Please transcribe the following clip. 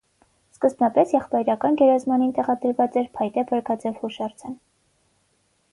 Սկզբնապես եղբայրական գերեզմանին տեղադրված էր փայտե բրգաձև հուշարձան։